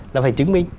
là phải chứng minh